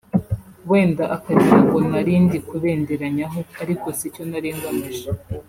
wenda akagira ngo nari ndi kubenderanyaho ariko sicyo nari ngamije